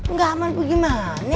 nggak aman bagaimana